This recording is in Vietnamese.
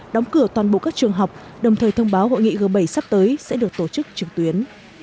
đóng cửa toàn bộ các trường học đồng thời thông báo hội nghị g bảy sắp tới sẽ được tổ chức trực tuyến